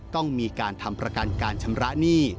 ต้องมีการทำประกันการชำระหนี้